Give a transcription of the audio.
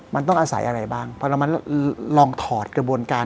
มันต้องอาศัยอะไรบ้างพอเรามาลองถอดกระบวนการ